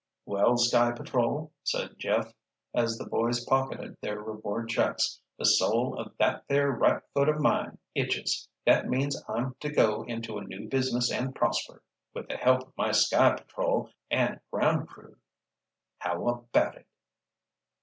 "Well, Sky Patrol," said Jeff as the boys pocketed their reward checks, "the sole of that there right foot of mine itches. That means I'm to go into a new business and prosper—with the help of my Sky Patrol and Ground Crew. How about it?"